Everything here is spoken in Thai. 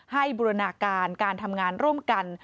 บูรณาการการทำงานร่วมกัน